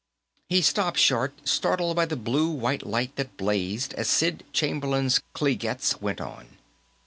He stopped short, startled by the blue white light that blazed as Sid Chamberlain's Kliegettes went on.